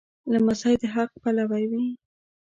لمسی د حق پلوی وي.